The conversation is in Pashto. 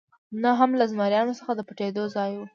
نه هم له زمریانو څخه د پټېدو ځای و.